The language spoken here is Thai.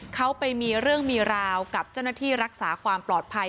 เขาไปมีเรื่องมีราวกับเจ้าหน้าที่รักษาความปลอดภัย